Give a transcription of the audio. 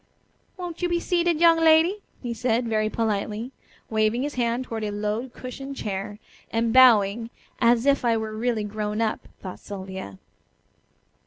"Won't you be seated, young lady?" he said, very politely, waving his hand toward a low cushioned chair, and bowing "as if I were really grown up," thought Sylvia.